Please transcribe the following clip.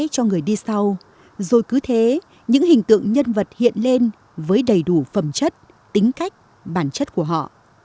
cho người đi sau rồi cứ thế những hình tượng nhân vật hiện lên với đầy đủ phẩm chất tính cách bản chất của họ